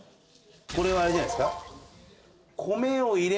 これはあれじゃないですか？